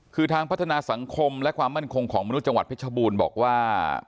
คือทางพัฒนาสังคมและความมั่นคงของมนุษย์จังหวัดเพชรบูรณ์บอกว่า